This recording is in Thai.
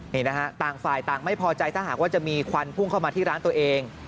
นี่นะฮะต่างฝ่ายต่างไม่พอใจถ้าหากว่าจะมีควันพุ่งเข้ามาที่ร้านตัวเอง